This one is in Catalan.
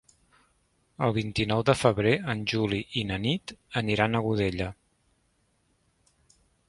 El vint-i-nou de febrer en Juli i na Nit aniran a Godella.